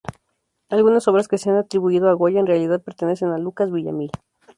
Algunas obras que se han atribuido a Goya en realidad pertenecen a Lucas Villaamil.